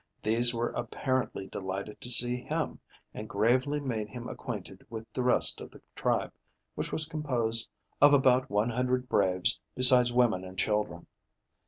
These were apparently delighted to see him, and gravely made him acquainted with the rest of the tribe, which was composed of about one hundred braves, besides women and children.